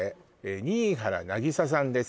新原凪紗さんです